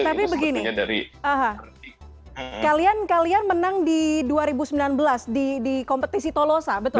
tapi begini kalian kalian menang di dua ribu sembilan belas di kompetisi tolosa betul